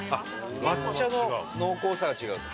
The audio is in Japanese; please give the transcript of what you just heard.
伊達：抹茶の濃厚さが違うと？